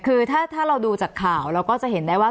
คือถ้าเราดูจากข่าวเราก็จะเห็นได้ว่า